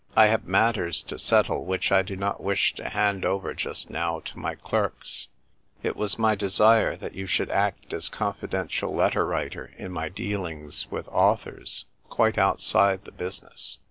I have matters to settle which I do not wish to hand over just now to my clerks ; it was my desire that you sliould act as confidential letter writer in my dt alings with authors, quite outside the business."